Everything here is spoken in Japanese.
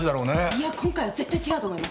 いや今回は絶対違うと思います。